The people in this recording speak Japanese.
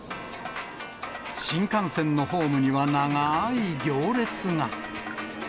新幹線のホームには長い行列が。